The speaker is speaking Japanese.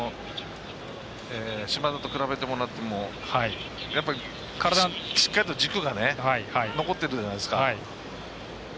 さっきの島田と比べてもらってもやっぱり、しっかりと軸が残ってるじゃないですか。